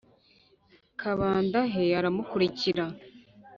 Kabandahe aramukurikira